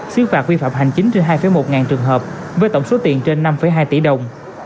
xứ phạt vi phạm hành chính trên hai một ngàn trường hợp với tổng số tiền trên năm hai tỷ đồng